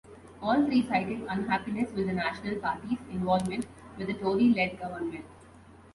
All three cited unhappiness with the national party's involvement with a "Tory-led" government.